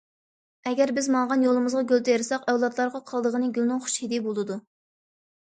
ئەگەر بىز ماڭغان يولىمىزغا گۈل تېرىساق ئەۋلادلارغا قالىدىغىنى گۈلنىڭ خۇش ھىدى بولىدۇ.